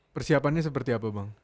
persiapannya seperti apa bang